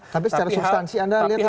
tapi secara substansi anda lihat ini masalah